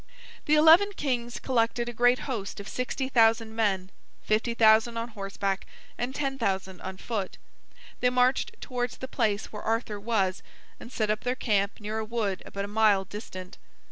The eleven kings collected a great host of sixty thousand men, fifty thousand on horseback and ten thousand on foot. They marched towards the place where Arthur was, and set up their camp near a wood about a mile distant.